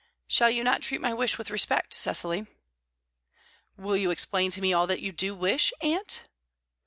"Shall you not treat my wish with respect, Cecily?" "Will you explain to me all that you do wish, aunt?"